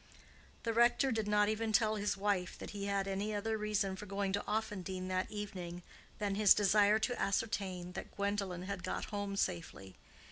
The rector did not even tell his wife that he had any other reason for going to Offendene that evening than his desire to ascertain that Gwendolen had got home safely.